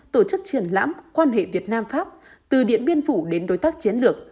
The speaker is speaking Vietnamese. tổ chức triển lãm quan hệ việt nam pháp từ điện biên phủ đến đối tác chiến lược